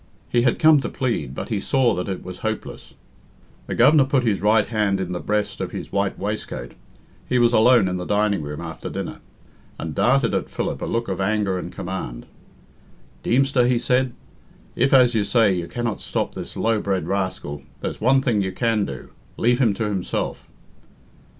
He had come to plead, but he saw that it was hopeless. The Governor put his right hand in the breast, of his white waistcoat he was alone in the dining room after dinner and darted at Philip a look of anger and command. "Deemster," he said, "if, as you say, you cannot stop this low bred rascal, there's one thing you can do leave him to himself."